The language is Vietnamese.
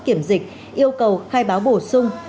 kiểm dịch yêu cầu khai báo bổ sung